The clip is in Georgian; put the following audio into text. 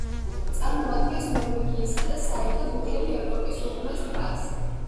წარმოადგენს ნორვეგიისა და საერთოდ, მთელი ევროპის უღრმეს ტბას.